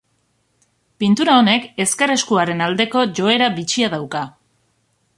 Pintura honek ezker eskuaren aldeko joera bitxia dauka.